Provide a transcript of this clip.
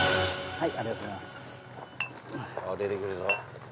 はい。